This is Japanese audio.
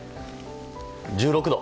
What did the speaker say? １６度。